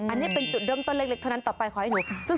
อันนี้เป็นจุดเริ่มต้นเล็กเท่านั้นต่อไปขอให้หนูสุด